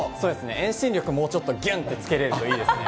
遠心力もうちょっとぎゅんっとつけれるといいですね。